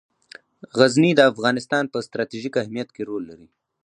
غزني د افغانستان په ستراتیژیک اهمیت کې رول لري.